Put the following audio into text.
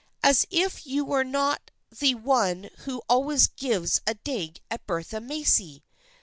"As if you were not the one who always gives a dig at Bertha Macy